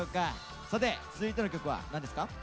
さて続いての曲は何ですか？